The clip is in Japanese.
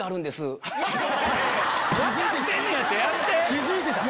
気付いてた！